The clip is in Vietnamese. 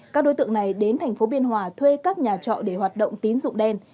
các đối tượng này đến thành phố biên hòa thuê các nhà trọ để hoạt động tín dụng đen